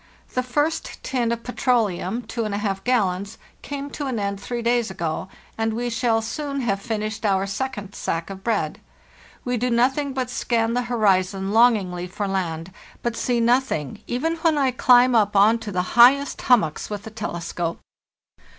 The first tin of petroleum (2$ gallons) came to an end three days ago, and we shall soon have finished our second sack of bread. We do nothing but scan the horizon longingly for land, but see nothing, even when I climb up on to the highest hummocks with the telescope.